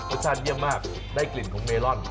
ชอบเยี่ยมมากได้กลิ่นของเมลอน